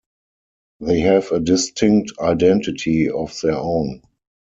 They have a distinct identity of their own.